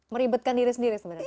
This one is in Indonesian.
meribetkan diri sendiri sebenarnya